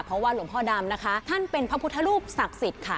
เพราะว่าหลวงพ่อดำนะคะท่านเป็นพระพุทธรูปศักดิ์สิทธิ์ค่ะ